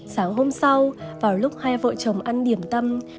sáng hôm sau vào lúc hai vợ chồng ăn điểm tâm